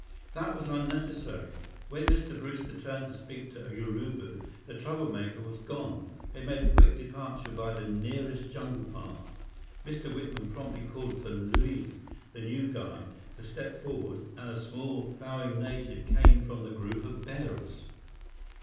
That was unnecessary. When Mr. Brewster turned to speak to Urubu, the troublemaker was gone. He had made a quick departure by the nearest jungle path. Mr. Whitman promptly called for Luiz, the new guide, to step forward, and a small, bowing native came from the group of bearers.